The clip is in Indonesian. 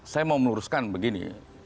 saya mau meluruskan begini